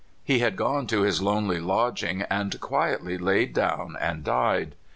He had gone to his lonely lodging, and quietly laid down and died.